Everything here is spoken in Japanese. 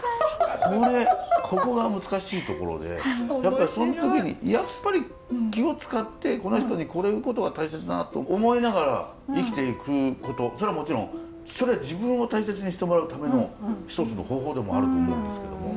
これここが難しいところでやっぱりその時にやっぱり気を遣ってこの人にこれを言うことが大切だなと思いながら生きていくことそれはもちろん自分を大切にしてもらうための一つの方法でもあると思うんですけども。